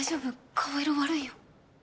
顔色悪いよ。